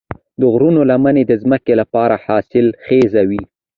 د غرونو لمنې د ځمکې لپاره حاصلخیزې وي.